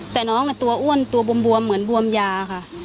แต่น้องตัวอ้วนตัวบวมเหมือนบวมยาค่ะ